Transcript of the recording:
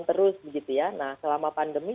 terus begitu ya nah selama pandemi